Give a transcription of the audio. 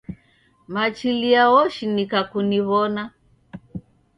Machilia woshinika kuniwona